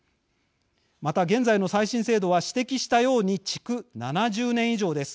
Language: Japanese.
また、現在の再審制度は指摘したように築７０年以上です。